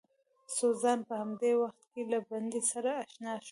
سوزانا په همدې وخت کې له بندي سره اشنا شوه.